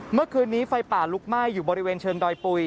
เมื่อคืนนี้ไฟป่าลุกไหม้อยู่บริเวณเชิงดอยปุ๋ย